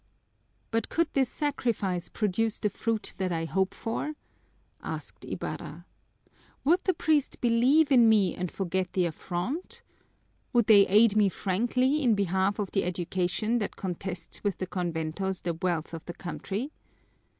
"But could this sacrifice produce the fruit that I hope for?" asked Ibarra. "Would the priest believe in me and forget the affront? Would they aid me frankly in behalf of the education that contests with the conventos the wealth of the country?